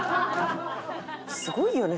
すごいよね。